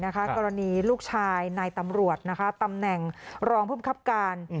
กรณีลูกชายนายตำรวจตำแหน่งรองภูมิครับการ